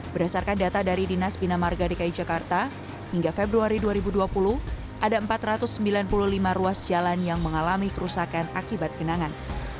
berdasarkan data dari dinas bina marga dki jakarta hingga februari dua ribu dua puluh ada empat ratus sembilan puluh lima ruas jalan yang mengalami kerusakan akibat genangan